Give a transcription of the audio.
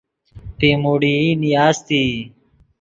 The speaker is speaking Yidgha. پیموڑئی نیاستئی